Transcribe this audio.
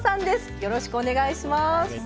よろしくお願いします。